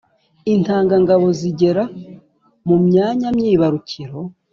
intangangabo zigera mu myanya myibarukiro